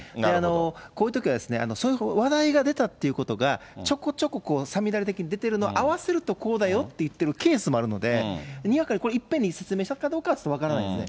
こういうときは、そういう話題が出たっていうことが、ちょこちょこ五月雨的に出てるのを合わせると、こうだよって言っているケースもあるので、にわかにこれ、いっぺんに説明したかどうかはちょっと分からないですね。